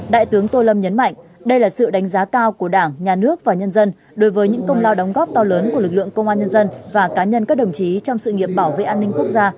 đại tướng tô lâm nhấn mạnh đây là sự đánh giá cao của đảng nhà nước và nhân dân đối với những công lao đóng góp to lớn của lực lượng công an nhân dân và cá nhân các đồng chí trong sự nghiệp bảo vệ an ninh quốc gia